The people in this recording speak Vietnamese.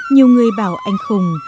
nhiều người bảo anh khùng